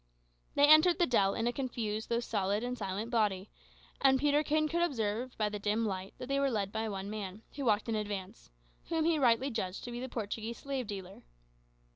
They entered the dell in a confused though solid and silent body; and Peterkin could observe, by the dim light, that they were led by one man, who walked in advance, whom he rightly judged to be the Portuguese slave dealer.